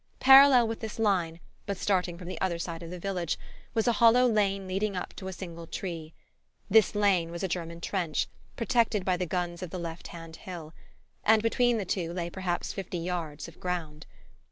Parallel with this line, but starting from the other side of the village, was a hollow lane leading up to a single tree. This lane was a German trench, protected by the guns of the left hand hill; and between the two lay perhaps fifty yards of ground.